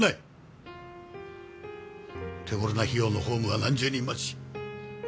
手頃な費用のホームは何十人待ち。